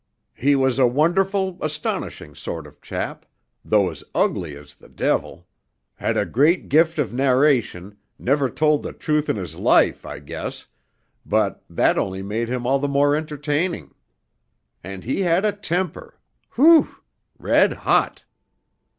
He was a wonderful, astonishing sort of chap, though as ugly as the devil; had a great gift of narration, never told the truth in his life, I guess, but that only made him all the more entertaining. And he had a temper phew! Redhot!